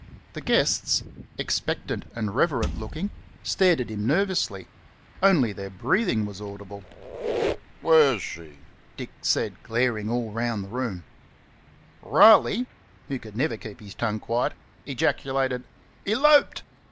The guests, expectant and reverent looking, stared at him nervously only their breathing was audible. "Where's she?" Dick said, glaring all round the room. Riley, who could never keep his tongue quiet, ejaculated, "Elorped!"